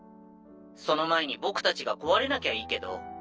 その前に僕たちが壊れなきゃいいけど。